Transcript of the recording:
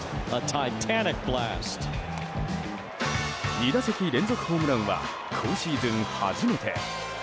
２打席連続ホームランは今シーズン初めて。